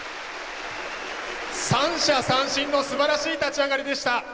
３者三振のすばらしい立ち上がりでした。